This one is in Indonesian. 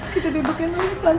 kita dibukain dulu